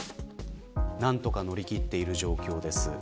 何とか乗り切っている状況です。